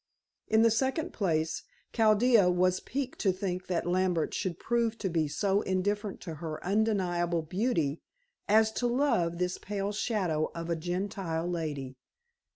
In the second place, Chaldea was piqued to think that Lambert should prove to be so indifferent to her undeniable beauty, as to love this pale shadow of a Gentile lady.